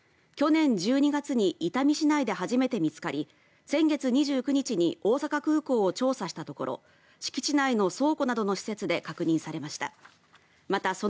去年１２月に伊丹市内で初めて見つかり先月２９日に大阪空港を調査したところ敷地内の倉庫などの施設で確認されました。